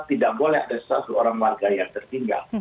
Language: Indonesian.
tidak boleh ada satu orang warga yang tertinggal